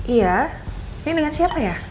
iya ini dengan siapa ya